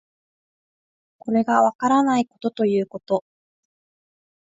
これがわからないことということ